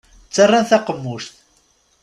Ttarran taqemmuct.